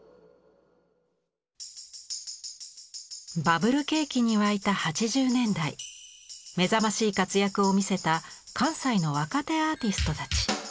バブル景気に沸いた８０年代目覚ましい活躍を見せた関西の若手アーティストたち。